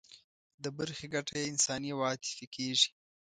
د برخې ګټه یې انساني او عاطفي کېږي.